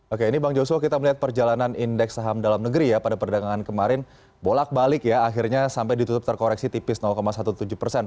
oke ini bang joshua kita melihat perjalanan indeks saham dalam negeri ya pada perdagangan kemarin bolak balik ya akhirnya sampai ditutup terkoreksi tipis tujuh belas persen